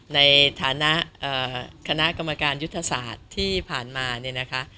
ในฐานะคณะกรรมการยุทธศาสตร์ที่ผ่านมาเนี่ยนะคะ